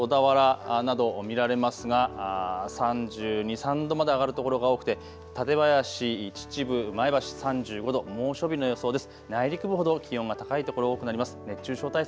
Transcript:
きょうよりさらに高い所も一部小田原など見られますが３２、３３度まで上がる所が多くて館林、秩父、前橋３５度、猛暑日の予想です。